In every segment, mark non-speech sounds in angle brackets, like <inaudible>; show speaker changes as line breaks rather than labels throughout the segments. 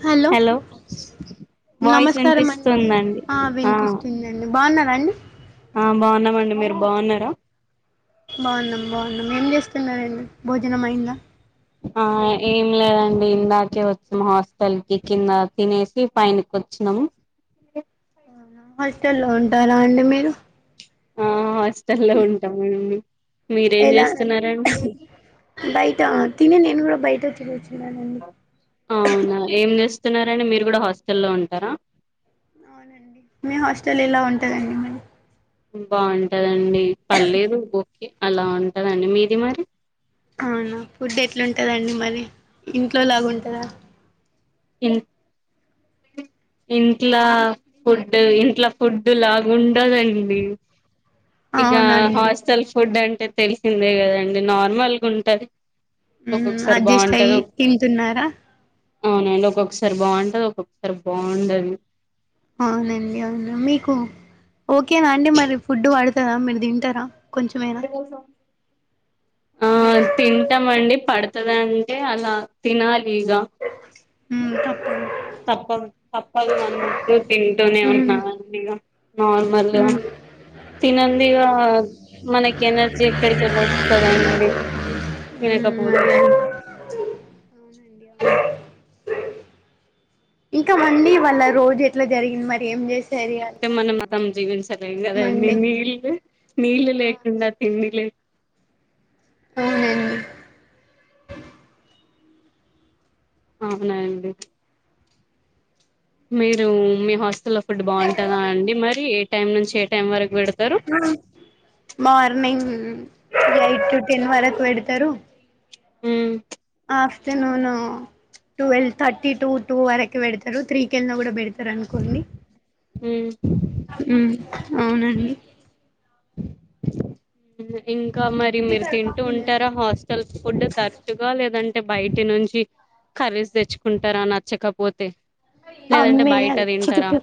అ
hello voice
నమస్కారం అండి
వినిపిస్తుందండి ఆ
వినిపిస్తుందండి బాగున్నారా అండి
ఆ బాగున్నామండి మీరు బాగున్నార
బాన్నాం బాన్నాం ఏం చేస్తున్నారండి భోజనం అయిందా
ఆ ఏం లేదండి ఇందాకే వచ్చాం హాస్టల్కి కింద తినేసి పైన్కి వచ్చాము
అవు హాస్టల్లో ఉంటార అండి మీరు
ఆ హాస్టల్లో ఉంటామండి మీరేం
ఎలా
చేస్తున్నార
బయట తిని నేను కూడా బయట తిరుగుతున్నాను అండి
అవునా ఏం చేస్తున్నారాండి మీరు కూడ హాస్టల్లో ఉంటార
మే హాస్టల్ ఎలా ఉంటదండి మరి
బాగుంటదండి పర్లేదు ఓకే అల ఉంటదండి మీది మరి
అవునా ఫుడ్ ఎట్లాంటుందండి మరి ఇంట్లో లాగుంటుందా
ఇం ఇంట్ల ఫుడ్డు ఇంట్ల ఫుడ్డు‌లాగా ఉండదండి ఇక
అవునండి
హాస్టల్ ఫుడ్ అంటే తెలిసిందే కదండి నార్మల్గా ఉంటుంది
ఉమ్మ్ అడ్జెస్ట్ అయి తింటున్నారా
అవునండి ఒక్కొక్కసారి బాగుంటది ఒక్కొక్కసారి బాగుండదు
అవునండి అవును మీకు ఓకేనా అండి మరి ఫుడ్ పడుతందా మీరు తింటారా కొంచెమేనా
మెడికల్ షాప్ ఆ తింటామండి పడుతాదంటే అలా తినాలి ఇగ
ఉమ్మ్ తప్పదు
తప్పదు తప్పదు అన్నట్టు తింటూనే
మ్మ్
ఉన్నామండి ఇగ నార్మల్‌గా
మ్మ్
తినందే ఇగ మనకి ఎనర్జీ ఎక్కడికేళ్ళి వ స్తాదండి తినకపోతే
మ్మ్ ఇంకా వండి వాళ్ళ రోజు ఎట్లా జరిగింది మరి ఏం చేసి
తే మనం మతం జీవించలేం కదండి
మండే
నీళ్ళు నీళ్ళు
ఆ
లేకుండా తిండి లే
అవునండి
అవునండి మీరు మీ హాస్టల్లో ఫుడ్ బాగుంటుందా అండి మరి ఏ టైం నుంచి ఏ టైం వరకు పెడతారు
మార్నింగ్ ఎయిట్ టు టెన్ వరకు పెడతారు
ఉమ్మ్
afternoon twelve thirty to two వరకు పెడతారు త్రీ కెళ్ళినా కూడా పెడ తారు అనుకోండి
ఉమ్
ఉమ్మ్ అవునండి
మ్మ్ ఇంకా మరి మీరు తింటూ ఉంటారా హా స్టల్ ఫుడ్ తరచుగా లేదంటే బయటి నుంచి కర్రీస్ తెచ్చుకుంటారా నచ్చకపోతే లేదంటే
అమ్మే
బయట
అది
తింటారా
చితికుటు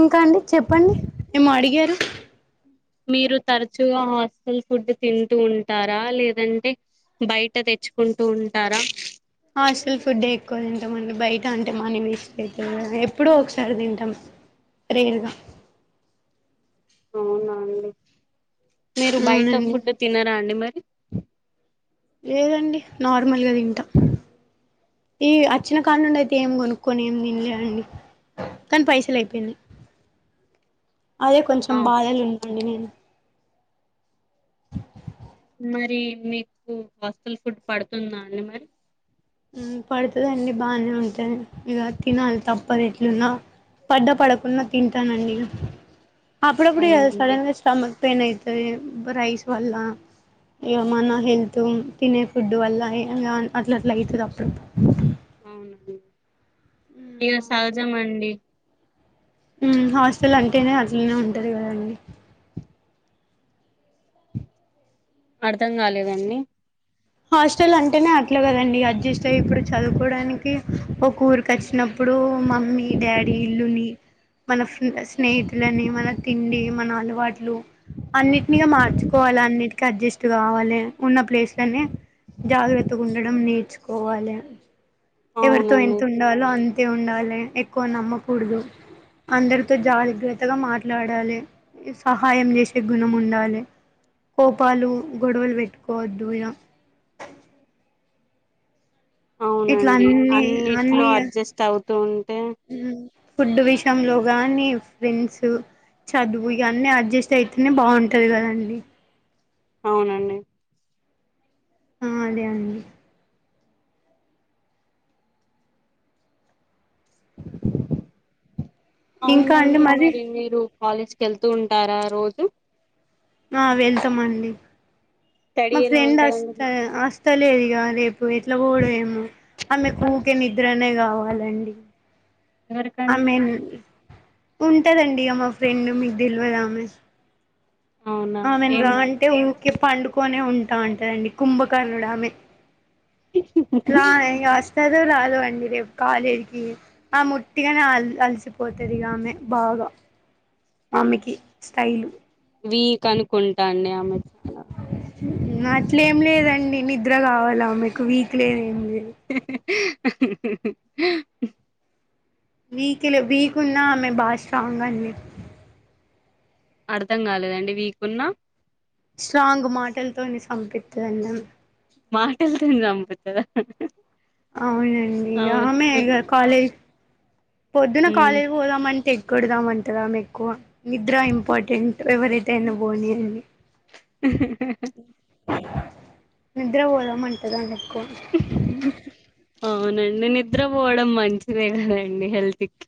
ఇంకా అండి చెప్పండి ఏమో అడిగారు
మీరు తరచుగా హాస్టల్ ఫుడ్ తింటూ ఉంటారా లేదంటే బయట తెచ్చుకుంటూ ఉంటారా
హాస్టల్ ఫుడే ఎక్కువ తింటమండి బయట అంటే మనీ వేస్ట్ అయితది కదా ఎప్పుడో ఒకసారి తింటాం రేర్‌గా
అవునా అండి మీరు బయట
అవునండి
ఫుడ్ తినరా అండి మరి
లేదండి నార్మల్‌గా తింటా ఈ అచ్చిన కాడి నుండి అయితే ఏం కొనుక్కోని ఏం తిన్లే అండి కానీ పైసల్ అయిపోయినాయి అదే కొంచెం
ఆ
బాధలు ఉంటుండే నేను
మరి మీకు హాస్టల్ ఫుడ్ పడుతుందాండి మరి
ఉమ్మ్ పడుతాదండి బానే ఉంటాంది ఇగ తినాలి త ప్పదు ఎట్లున్నా పడ్డ పడకున్న తింటానండి ఇగ అప్పుడప్పుడు ఇగ
అవునండి
సడన్‌గా స్టమక్ పెయిన్ అయితది రైస్ వల్ల ఇగ మన హెల్త్ తినే ఫుడ్డు వల్ల అట్ల అట్లా అయితది అప్పుడప్పుడు
అవునండి ఇగ సహజం అండి
ఉమ్మ్ హాస్టల్ అంటేనే అట్లనే ఉంటది కదండి
అర్ధం కాలేదండి
హాస్టల్ అంటేనే అట్లే కదండి అడ్జస్ట్ అయ్యి ఇప్పుడు చదువుకోడానికి ఒక ఊరు కి వచ్చినప్పుడు మమ్మీ డాడీ ఇల్లుని మన స్నేహితులని మన తిండి మన అలవాట్లు అన్నిటినిగా మార్చుకోవాలి అన్నిటికి అడ్జస్ట్ కావాలి ఉన్న ప్లేస్లని జాగ్రత్తగా ఉండడం నేర్చుకోవాలి ఎవరితో
అవునండి
ఎంత ఉండాలో అంతే ఉండాలి ఎక్కువ నమ్మకూడదు అందరితో జాగ్రత్తగా మాట్లాడాలి సహాయం చేసే గుణం ఉండాలి కోపాలు గొడవలు పెట్టుకోవద్దు ఇగ ఇట్లా
అవునండి
అన్ని
అన్నిట్లో
అన్ని
అడ్జస్ట్ అవుతూ ఉంటే
ఫుడ్ విషయంలో గానీ ఫ్రెండ్స్ చదువు ఇగ అన్ని అడ్జస్ట్ అయితేనే బాగుంటది కదండి
అవునండి
ఆ అదే అండి ఇంకా అండి
అవునండి మరి మీరు కాలేజ్కి వెళ్తూ ఉంటారా రోజు
ఆ వెళ్తామ అండి
స్టడీ
మా
ఎలా
ఫ్రెండ్ ఆస్త
ఉంటదండి
ఆస్తలేదిగా రేపు పో ఎట్లా పోడ ఏమో ఆమె కూకే నిద్రనే కావాలండి
ఎవరికండి
ఆమెన్ ఉంటదండి ఇక మా ఫ్రెండ్ మీకు తెలివదామ
అవునా
ఆమెను
ఏం
రా అంటే ఊకే పండుకనే ఉంటా ఉంటదండి కుంభకర్ణుడు ఆమె లా ఇగ వస్తదో రాదో అండి రేపు కాలేజీకి ఆ ముట్టిగానే అల్ అల్ అసిపోతదిగా ఆమె బాగా ఆమెకి స్టైలు
ఇవీ కనుకుంటాండి ఆమెక్
అట్లే ఏం లేదండి నిద్ర కావాలా ఆమీకు వీక్ లేదు ఏం లేదు వీక్లో వీక్ ఉన్నా ఆమె బాగా స్ట్రాంగ్ అండి
అర్థం కాలేదండి వీకున్నా
స్ట్రాంగ్ మాటలతోని చంపితదన్నా
మాటలు తోని సంపతదా
అవునండి ఇక ఆమె ఇక కాలేజ్ పొద్దున కాలేజీకి పోదామంటె ఎగడదాం అంటదామెక్కువ నిద్ర ఇంపార్టెంట్ ఎవరైతే అయినా
హ్మ్.
బోనీ అని నిద్ర పోదమంటంది ఆమె ఎక్కువ
అవునండి నిద్రపోవడం మంచిదే కదండి హెల్త్కి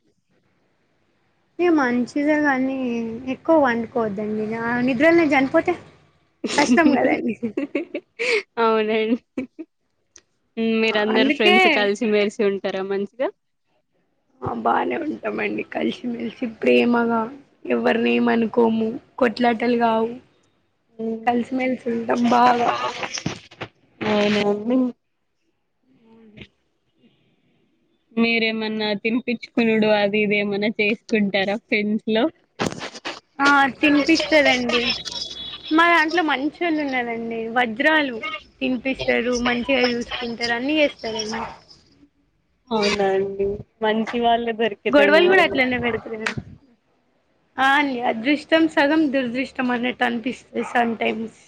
ఇగ మంచిదే కానీ ఎక్కువ వండుకోవద్దండి ఆ నిద్రలనే చనిపోతే కష్టం కదండి
అవునం మీర అందరు
అందుకే
ఫ్రెండ్స్ కలిసి మెలిసి ఉంటారా మంచిగా
బాగానే ఉంటామండి కలిసి మెలిసి ప్రేమగా ఎవరిని ఏమ అనుకోము కొట్లాటలు కావు
ఎ
కలిసిమెలిసి ఉంటాం బాగా
ఎమో అండీ
ఏం
మీరేమన్నా తినిపించుకున్నాడు అది ఇది ఏమన్నా చేసుకుంటారా ఫ్రెండ్స్ లో
ఆ తినిపిస్తదండి మా దాంట్లో మాంచోల్లున్నాదండి వ. నిద్రాలు తినిపిస్తారు మంచిగా జూసుకుంటారు అన్ని జేస్తారుమా.
అవునండి మంచి వాళ్ళే దొరి.
గోడవల్ గూడా అట్లనే బెడుతది. అ అని అదృష్టం సగం దురదృష్టం అన్నట్టు అనిపిస్తది సమ్ టైమ్స్.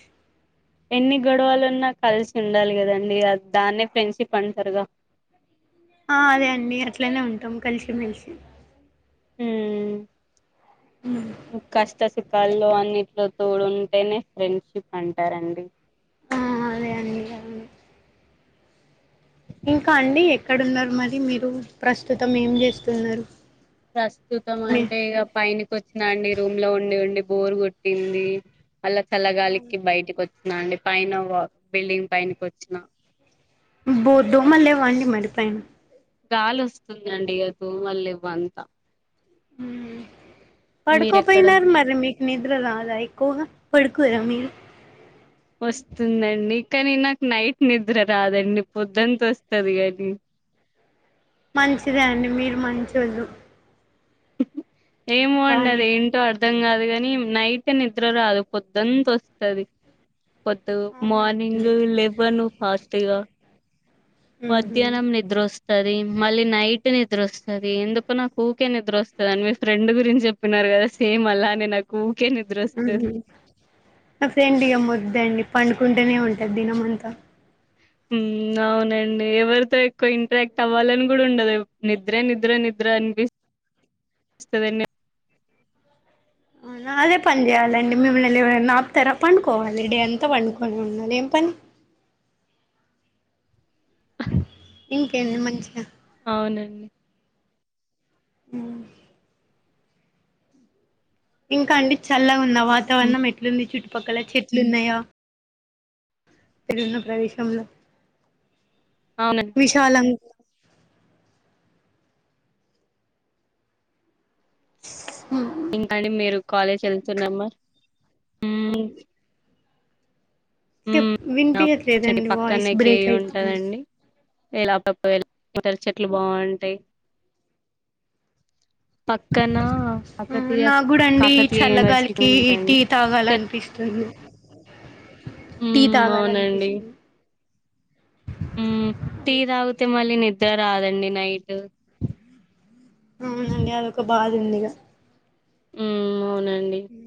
ఎన్ని గొడవలు ఉన్నా కలిసి ఉండాలి కదండి గ దాన్న ఫ్రెండ్షిప్ అంటారుగా.
ఆ అదే అండి అట్లనే ఉంటం కలిసిమెలిసి.
ఉమ్ కస్ట స్. పుప్పల్లో అన్నింట్లో తోడు ఉంటేనే ఫ్రెండ్షిప్ అంటారండి.
ఆ అదే అండి ఇగ. ఇంకా అండి ఎక్కడున్నారు మరి మీరు ప్రస్తుతం ఏం జేస్తున్నారు.
ప్రస్తుతం అంటే ఇక పైనికోచ్చినండి రూమ్ లో ఉండి ఉండి బోర్ గోట్టింది. చల్ల చల్ల గాలికి బయిటక్కోచ్చిన అండి పైన ఓ బిల్డింగ్ పైైనకోచ్చిన.
అబ్బో దోమల్ లేవండి మరి పైన.
గాలి వస్తుందండి ఇగ దోమల్లేవు అంత. మీరెక్కడ
పడుకోపోయినార్ మరి మీ. నిద్ర రాద ఎక్కువగా పడుకోరా మీరు.
వోస్తుందండి కానీ నాక్ నైట్ నిద్ర రాదండి పొద్దాంత ఒస్తది గని.
మంచిదే అండి మీరు మంచోళ్ళు.
ఏమో అండి
బానే
అద ఏంటో అర్ధం గాదు గని నైట్ నిద్ర రాదు పొద్దాంత ఓస్తది. పొత్తు
అవునా అండి.
మార్నింగు లెవ్వను ఫాస్ట్గా.
ఉహు
మధ్యాహ్నం నిద్రోస్తది మళ్ళీ నైట్ నిద్రోస్తది ఎందుకో నాకు ఊకె నిద్రోస్తా. వస్తదని మీ ఫ్రెండ్ గురించి జేప్పినారు గదా సేమ్ అలానే నక్. ఊకె నీ.
ఫ్రెండ్ ఇగా మొడ్డండి పండుకుంటేనే ఉంటది దిన మంత.
ఉమ్ అవునండి ఎవరితో ఎక్కువ ఇంటరాక్ట్ అవ్వాలని గుడా ఉండదెం నిద్రే నిద్రే నిద్ర అనిపిస్త. వస్తదేన్నే.
అదే పని చేయాలండి మిమ్మల్నిఎవరన్నాప్తారా పండుకోవాలే డే అంతా పండుకొని ఉండాలే ఏం పని. ఇంకేంది మంచిగా.
అవునండి.
ఆ. ఇంకా అండి చల్లగుంద
మ్మ్
వాతావరణం ఎట్లుంది చుట్టుపక్కల చెట్. ఎట్లున్నాయా మీరూన్న ప్రదేశంలో.
అవునం.
విశాలం. హు.
ఇంకాండి మీరు కాలేజ్ ఏళ్తున్నాము.
ఏప్
మ్మ్ చెట్టు
వినిపియ్యట్లేదండి వాయిస్
పక్కనే
బ్రేక్
కేయు
అయితు.
ఉంటదండి <unintelligible> పక్కన
ఉ
కాకతీయ
నా గుడండి
కాకతీయ యూనివర్సిటీ
చల్లగాలికి టీ
ఉంటండి
తాగాలనిపిస్తు. టీ
హ్మ్ అవునండి.
తాగాలనిపిస్తుంది.
ఉ టీ దాగుతే మళ్ళీ నిద్ర రాదండి నైటు.
అవునండి అదొక బాధ ఉందిక
ఉమ్ అవునండి.
ఉ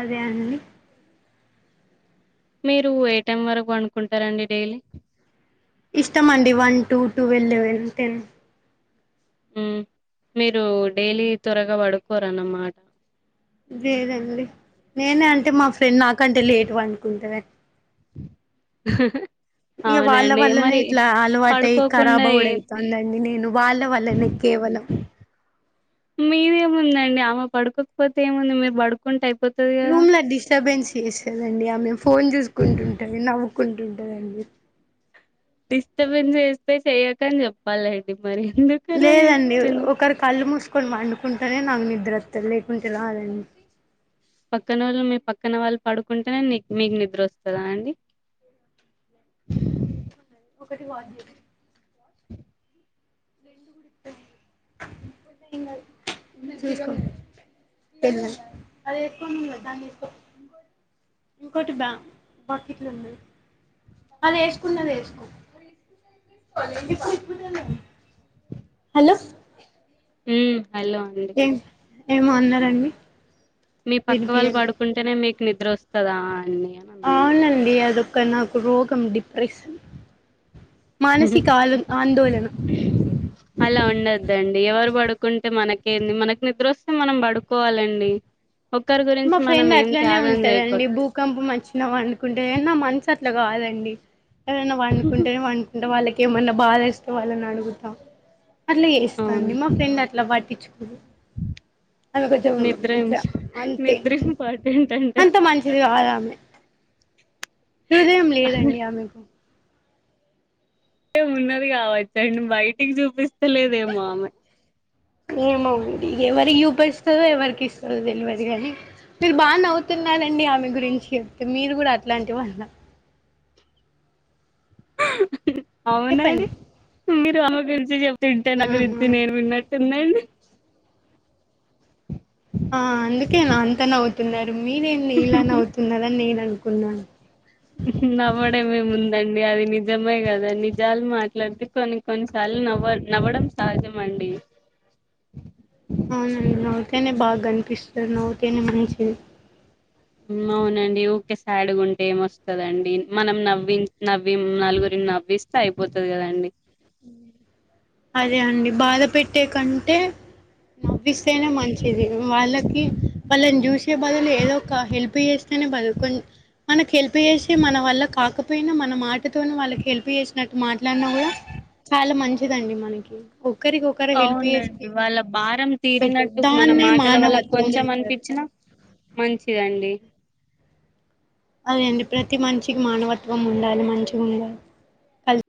అదే అండి.
మీరు ఏ టైం వరకు పండుకుంటారండి డైలీ
ఇష్టమండి one two twelve eleven ten
ఉమ్ మీరు డైలీ త్వరగా పడుకోరనమాట
లేదండి నేనే అంటే మా ఫ్రెండ్ నాకంటే లేటు పడుకుంటాడంది. ఇక వాళ్ళ
అవునండి.
వల్లనే
మరి
ఇట్లా అలవాటయ్
పడుకోకుండా ఏ
కరబ్బావుడు అవుతుందండీ నేను వాళ్ళ వల్లనే కేవలం
మీరేముందండి ఆమె పడుకోకపోతే ఏముంది మీరు పడుకుంటే అయిపో
రూమ్ లో డిస్టర్బెన్స్ చేస్థాదండి ఆమె ఫోన్ చూసుకుంటుంటంది, నవ్వుకుంటుంటందాండి.
డిస్టర్బెన్స్ చేస్తే చెయ్యకని చెప్పాలండి మరి ఎందుకు
లేదండి ఒకరు కళ్ళు మూసుకొని పండుకుంటేనే నాకు నిద్రోత్తది లేకుంటే రాదండి.
పక్కన వాళ్ళు మీ పక్కన వాళ్ళు పడుకుంటేనే మీకు నిద్ర వస్తుందా అండి.
అేదు ఒకటి వాళ్ళది
ఆ
చూస్కో అది ఎత్తుకో మంటుంది దాన్ని ఎత్తుకో ఇంకోటి బ్యా బకెట్లు ఉంది అది వేసుకున్నది వేసుకో హలో
ఉ హలో అండి
ఏ ఏమో అనరండి
మీ పక్క వాళ్ళు పడుకుంటేనే మీకు నిద్ర వస్తదా అని అన్నాను
ఆవున్ అండి అదొ ఒక నాకు రోగం డిప్రెషన్
హ హమ్
మానసిక ఆలో ఆందోళన
అలా ఉండద్దండి ఎవరు పడుకుంటే మనకేంది మనకు నిద్ర వస్తే మనం పడుకోవాలండి ఒకరి
మా
గురించి మనం
ఫ్రెండ్
ఏం
అట్లనే
త్యాగం
ఉంటదండి
చేయకూడదు
భూకంపం వచ్చిన వన్డుకుంటే నా మనసు అట్లా కాదండి ఎవరైనా పండుకుంటేనే పండు కుంట వాళ్ళకి ఏమన్నా బాధ ఎస్తేవళ్ళని అడుగుతా అట్లా
అవును
చేేస్తాండి మా ఫ్రెండ్ అట్లా పట్టించుకోదు అది ఓక
నిద్ర
ఇట్లా అంతే
నిద్ర ఇంపార్టెంట్ అంటే
అంత మంచిది కాదమే హృదయం లేదండి ఆమెకు
అంటే ఉన్నది కావచ్చండి బయటికి చూపిస్తలేదేమో ఆమె
ఏమో అండి ఎవరికి చూపిస్తదో ఎవరికి ఇస్తుందొ తెలవదు గానీ మీరు బాగా నవ్వుతున్నారండి ఆమె గురించి చెప్తే మీరు కూడా అట్లాంటి వాళ్ల
అవునండి
చెప్పండి
మీరు ఆమె గురించి చెప్తుంటే నా
ఆహా
గురించి నేను విన్నట్టు ఉందండి.
ఆ అందుకే నా అంత నవ్వు తున్నారు మీరేంటీ ఇలా నవ్వు తున్నారని నేను అనుకున్నాను.
నవ్వడమేముందండి అది నిజమే కదా నిజాలు మాట్లాడితే కొన్నీ కొన్నిసార్లు నవ్వ నవ్వడం సహజం అండి
అవునండి నవ్వుతేనే బాగా కనిపిస్తారు నవ్వుతేనే మంచిది
అవునండి ఉరీకే స్యాడ్గా ఉంటే ఏం వస్తందండి మనం నవ్వి నవ్వి నలుగురిని నవ్విస్త అయిపోతది కదాండి
అదే అండి బాధ పెట్టే కంటే నవ్విస్తేనే మంచిది ఉమ్ వాళ్ళకి వాళ్ళని చూసే బదులు ఏదో ఒక హెల్ప్ చేస్తేనే బల్కున్ మనకు హెల్ప్ చేసి మన వల్ల కాకపోయినా మన మాటతోని వాళ్ళకి హెల్ప్ చేసినట్టు మాట్లాడినా కూడా చాలా మంచిదండి మనకి ఒకరికొరు హెల్ప్
అవునండి వాళ్ళ
చేస్తుంటేనే
భారం
బెటర్
తీరినట్టు మన
దాన్నే
మాటల వల్ల
మానవత్వం
కొంచెం
అంటారు
అనిపించినా
ఆ
మంచిదండి
అదే అండి ప్రతి మనిషికి మానవత్వం ఉండాలి మంచిగుండాలి కల్